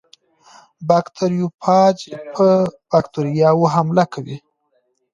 باکتریوفاج په باکتریاوو حمله کوي.